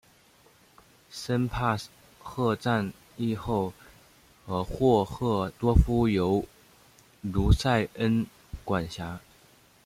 森帕赫战役后霍赫多夫由卢塞恩管辖。